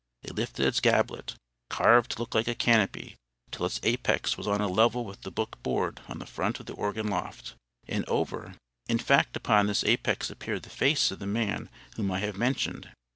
It lifted its gablet, carved to look like a canopy, till its apex was on a level with the book board on the front of the organ loft; and over—in fact upon this apex appeared the face of the man whom I have mentioned.